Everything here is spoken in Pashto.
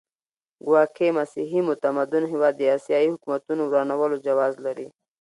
ګواکې مسیحي متمدن هېواد د اسیایي حکومتونو ورانولو جواز لري.